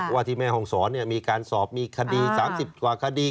ว่าที่แม่ห้องสอนเนี่ยมีการสอบมีคดี๓๐กว่าคดี